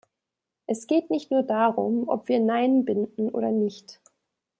Es geht nicht nur darum, ob wir Neinbinden oder nicht.